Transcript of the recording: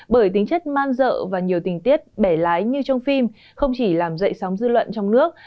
bởi tính chất man dợ và nhiều tình tiết bẻ lái như trong phim không chỉ làm dậy sóng dư luận trong nước